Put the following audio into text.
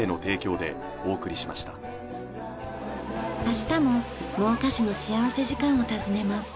明日も真岡市の幸福時間を訪ねます。